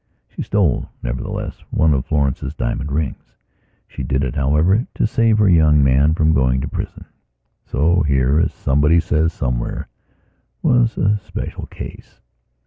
She stole, nevertheless, one of Florence's diamond rings. She did it, however, to save her young man from going to prison. So here, as somebody says somewhere, was a special case.